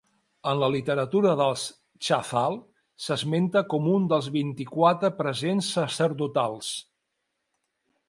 En la literatura dels Chazal, s'esmenta com un dels vint-i-quatre presents sacerdotals.